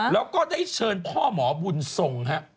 แล้วก็ได้เชิญพ่อหมอบุญทรงฮะ